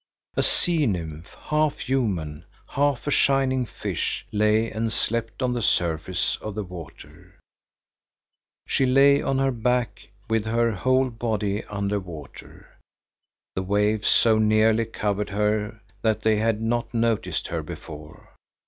A sea nymph, half human, half a shining fish, lay and slept on the surface of the water. She lay on her back with her whole body under water. The waves so nearly covered her that they had not noticed her before.